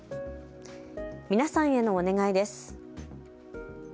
皆さんへのお願いです。